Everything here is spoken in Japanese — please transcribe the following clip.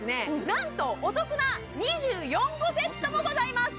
なんとお得な２４個セットもございます！